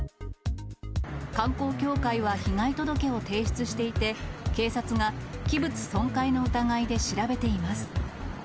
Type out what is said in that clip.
観光協会は被害届を提出していて、警察が器物損壊の疑いで調べています。